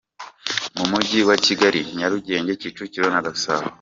Mu mujyi wa Kigali: Nyarugenge, Kicukiro na Gasabo .